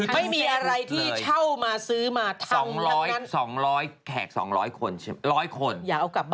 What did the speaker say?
ไม่มีอะไรที่เช่ามาซื้อมาทั้ง๒๐๐๒๐๐แขก๒๐๐คนใช่ไหม